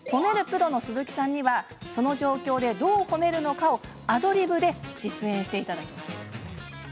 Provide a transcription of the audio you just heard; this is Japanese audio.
プロの鈴木さんにはその状況でどう褒めるのかをアドリブで実演していただきます。